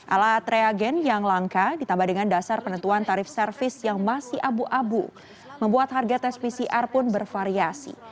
alat reagen yang langka ditambah dengan dasar penentuan tarif servis yang masih abu abu membuat harga tes pcr pun bervariasi